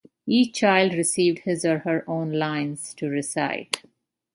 Each child received his or her own lines to recite.